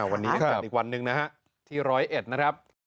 วันนี้กันอีกวันนึงนะครับที่๑๐๑นะครับ